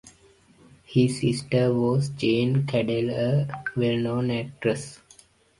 His sister was Jean Cadell a well-known actress.